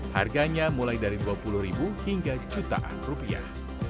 harganya mulai dari dua puluh ribu hingga jutaan rupiah